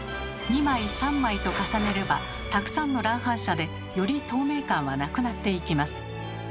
２枚３枚と重ねればたくさんの乱反射でより透明感はなくなっていきます。